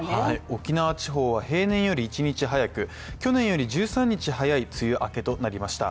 沖縄地方は平年より１日早く、去年より１３日早い梅雨明けとなりました。